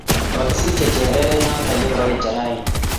Kokisiche cherere noto ya koeche rauni